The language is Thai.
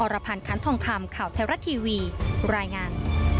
อรพันธ์คันทองคามข่าวแทรวัติทีวีรายงาน